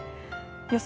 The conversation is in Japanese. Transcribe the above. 予想